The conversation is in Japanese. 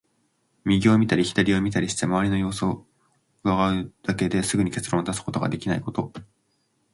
右を見たり左を見たりして、周りの様子を窺うだけですぐに結論を出すことができないこと。